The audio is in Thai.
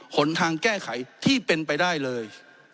หนทางแก้ไขที่เป็นไปได้เลย